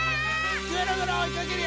ぐるぐるおいかけるよ！